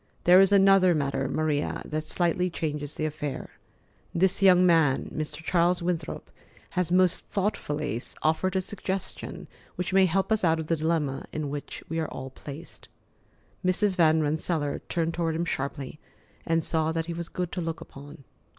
There is another matter, Maria, that slightly changes the affair. This young man, Mr. Charles Winthrop, has most thoughtfully offered a suggestion which may help us out of the dilemma in which we are all placed." Mrs. Van Rensselaer turned toward him sharply, and saw that he was good to look upon.